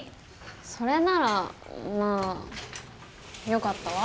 それならまあよかったわ。